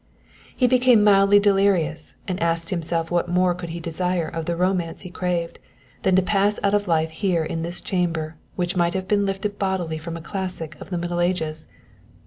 He became mildly delirious and asked himself what more could he desire of the Romance he craved, than to pass out of life here in this chamber which might have been lifted bodily from a classic of the Middle Ages?